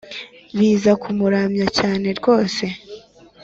biza kumuramya cyane rwose